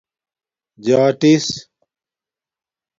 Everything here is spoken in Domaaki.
جاٹس